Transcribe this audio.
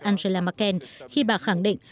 angela merkel khi bà khẳng định